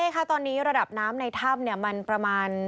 ค่ะตอนนี้ระดับน้ำในถ้ับเนี้ยมันประมาณ